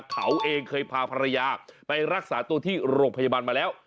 เขาเองเคยพาภรรยาไปรักษาตัวที่โรงพยาบาลมาแล้ว